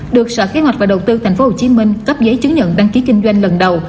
được sở kế hoạch và đầu tư tp hcm cấp giấy chứng nhận đăng ký kinh doanh lần đầu